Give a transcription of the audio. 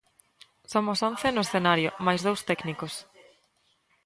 Somos once no escenario, máis dous técnicos.